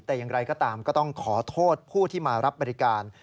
แต่อย่างไรก็ตามก็ต้องขอโทษผู้ที่มารับบริการ